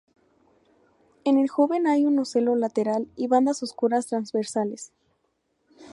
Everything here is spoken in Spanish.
En el joven hay un ocelo lateral y bandas oscuras transversales.